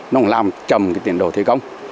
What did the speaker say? nó cũng làm trầm cái tiền đồ thi công